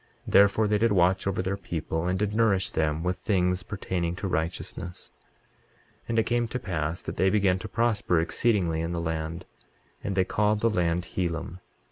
23:18 Therefore they did watch over their people, and did nourish them with things pertaining to righteousness. 23:19 And it came to pass that they began to prosper exceedingly in the land; and they called the land Helam.